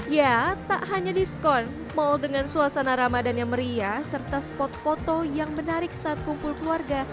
ya tak hanya diskon mal dengan suasana ramadan yang meriah serta spot foto yang menarik saat kumpul keluarga